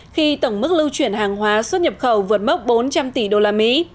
khi tổng mức lưu chuyển hàng hóa xuất nhập khẩu vượt mốc bốn trăm linh tỷ usd